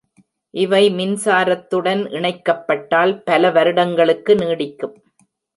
இவை மின்சாரத்துடன் இணைக்கப்பட்டால் பல வருடங்களுக்கு நீடிக்கும்.